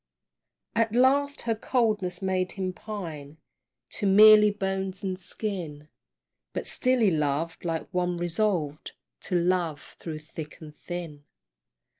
At last her coldness made him pine To merely bones and skin, But still he loved like one resolved To love through thick and thin.